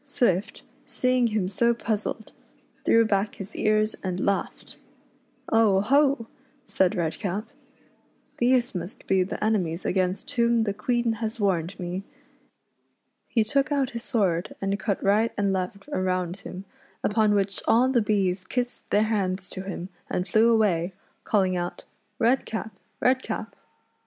Swift, scciii;^^ him so puzzled, threw back his ears and laughed. •' Oh ! ho 1 " said Redcap ;" these must be the enemies against whom the Queen has warned me." He took out his sword and cut right and left around him, upon which all the bees kissed their hands to him and flew away, calling out —" Redcap ! Redcap